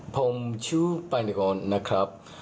ผมชื่อปานิโกนนะครับ